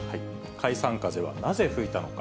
解散風はなぜ吹いたのか。